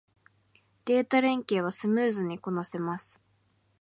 データ連携はスムーズにこなせます